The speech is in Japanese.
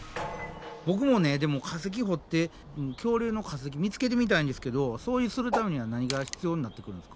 ボクもねでも化石掘って恐竜の化石見つけてみたいんですけどそうするためには何が必要になってくるんですか？